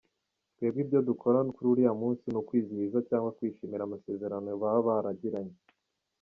Twebwe ibyo dukora kuri uriya munsi ni ukwizihiza cyangwa kwishimira amasezerano baba baragiranye.